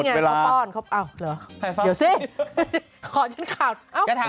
หมดเวลาอ้าวเหรอเดี๋ยวสิขอฉันข่าวอ้าวนี่แหละ